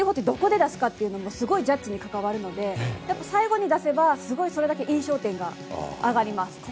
どこで出すかがすごい、ジャッジに関わるので最後に出せばすごい、それだけ印象点が上がります。